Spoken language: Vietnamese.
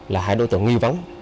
là hai đối tượng nguy vấn